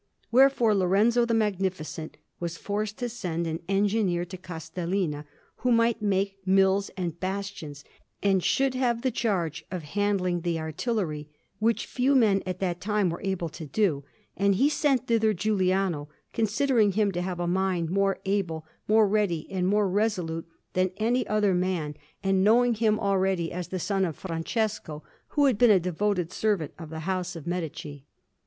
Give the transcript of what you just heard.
Wherefore Lorenzo the Magnificent was forced to send an engineer to Castellina, who might make mills and bastions, and should have the charge of handling the artillery, which few men at that time were able to do; and he sent thither Giuliano, considering him to have a mind more able, more ready, and more resolute than any other man, and knowing him already as the son of Francesco, who had been a devoted servant of the House of Medici.